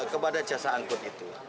kepada jasa angkut itu